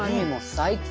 最高。